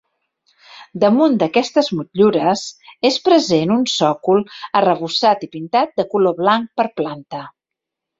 Damunt d'aquestes motllures és present un sòcol arrebossat i pintat de color blanc per planta.